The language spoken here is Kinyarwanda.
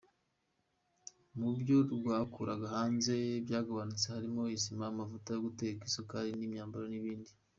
Mu byo rwakuraga hanze byagabanutse harimo isima, amavuta yo guteka, isukari, imyambaro n’ibindi.